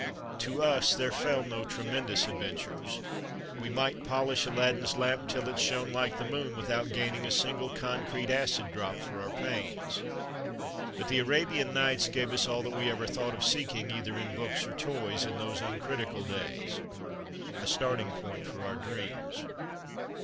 To us there fell no tremendous adventures ; we might polish Aladdin's lamp till it shone like the moon without gaining a single concrete acid drop for our pains. But the "Arabian Nights " gave us all that we ever thought of seeking either in books or toys in those uncritical days a starting point for our dreams.